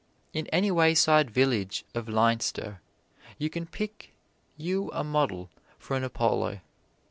In any wayside village of Leinster you can pick you a model for an Apollo.